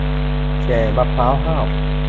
แก่มะพร้าวห้าว